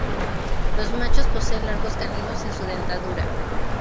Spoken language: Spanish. Los machos poseen largos caninos en su dentadura.